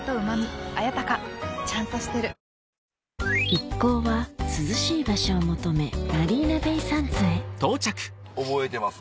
一行は涼しい場所を求めマリーナベイサンズへ覚えてます